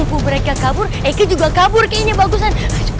mereka kabur eike juga kabur kayaknya bagusan